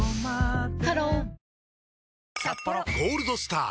ハロー「ゴールドスター」！